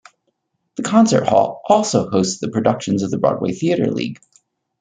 The concert hall also hosts the productions of the Broadway Theater League.